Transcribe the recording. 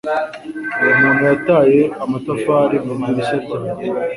Umuntu yataye amatafari mu idirishya ryanjye.